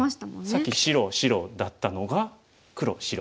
さっき白白だったのが黒白。